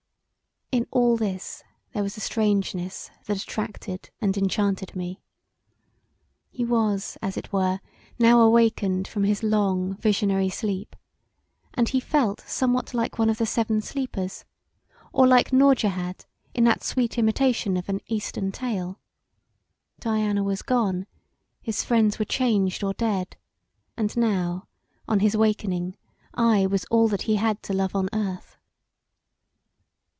In all this there was a strangeness that attracted and enchanted me. He was, as it were, now awakened from his long, visionary sleep, and he felt some what like one of the seven sleepers, or like Nourjahad, in that sweet imitation of an eastern tale: Diana was gone; his friends were changed or dead, and now on his awakening I was all that he had to love on earth.